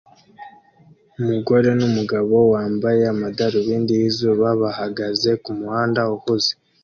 Umugore numugabo wambaye amadarubindi yizuba bahagaze kumuhanda uhuze